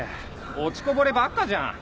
落ちこぼればっかじゃん。